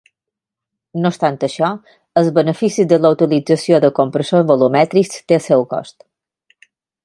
No obstant això, els beneficis de la utilització de compressors volumètrics té el seu cost.